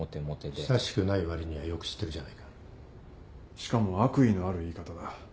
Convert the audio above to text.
しかも悪意のある言い方だ。